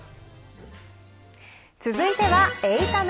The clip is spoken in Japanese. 続いては８タメ。